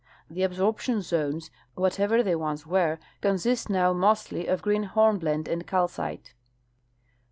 The absorp tion zones, whatever they once were, consist noAV mostly of green hornblende and calcite.